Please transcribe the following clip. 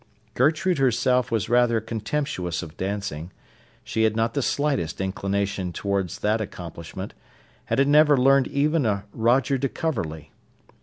Gertrude herself was rather contemptuous of dancing; she had not the slightest inclination towards that accomplishment, and had never learned even a Roger de Coverley.